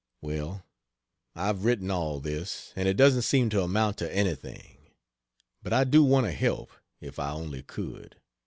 Well, I've written all this, and it doesn't seem to amount to anything. But I do want to help, if I only could.